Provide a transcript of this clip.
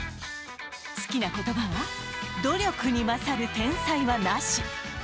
好きな言葉は、努力に勝る天才はなし。